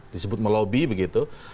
disebut melobi begitu